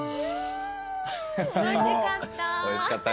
おいしかった！